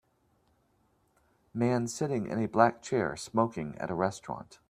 Man sitting in a black chair smoking at a restaurant.